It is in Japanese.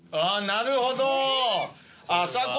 なるほど。